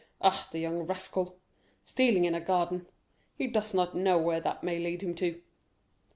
Ah, the young rascal—stealing in a garden—he does not know where that may lead him to."